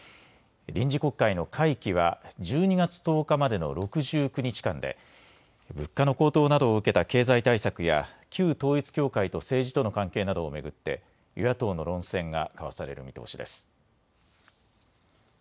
臨時国会の会期は１２月１０日までの６９日間で物価の高騰などを受けた経済対策や旧統一教会と政治との関係などを巡って与野党の論戦が交わされる見通しです。